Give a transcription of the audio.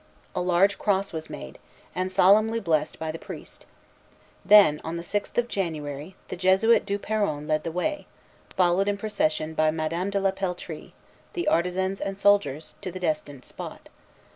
A large cross was made, and solemnly blessed by the priest; then, on the sixth of January, the Jesuit Du Peron led the way, followed in procession by Madame de la Peltrie, the artisans, and soldiers, to the destined spot.